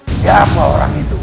ada apa ini